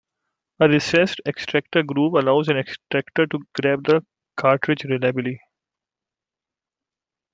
A recessed extractor groove allows an extractor to grab the cartridge reliably.